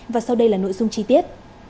và sau đây là nội dung chi tiết